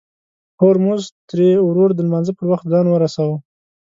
هورموز تري ورور د لمانځه پر وخت ځان ورساوه.